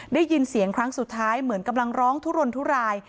ได้ยินเสียงครั้งสุดท้ายเหมือนกำลังร้องทุรนทุราย